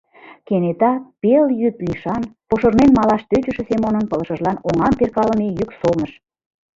Кенета пелйӱд лийшан пошырнен малаш тӧчышӧ Семонын пылышыжлан оҥам перкалыме йӱк солныш.